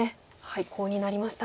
コウになりました。